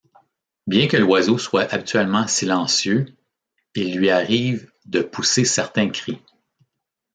Bien que l'oiseau soit habituellement silencieux, il lui arrive de pousser certains cris.